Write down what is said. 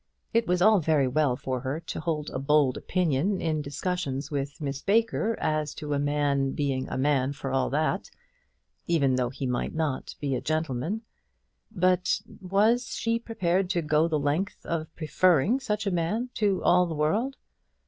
It was all very well for her to hold a bold opinion in discussions with Miss Baker as to a "man being a man for a' that," even though he might not be a gentleman; but was she prepared to go the length of preferring such a man to all the world?